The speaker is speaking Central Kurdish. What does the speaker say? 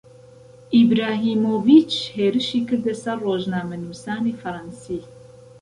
ئیبراهیمۆڤیچ هێرشی كرده سهر رۆژنامهونووسانی فهرهنسی